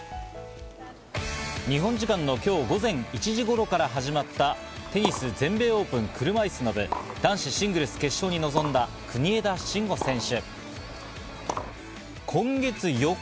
日本時間の今日午前１時頃から始まったテニス全米オープン車いすの部、男子シングルス決勝に臨んだ国枝慎吾選手。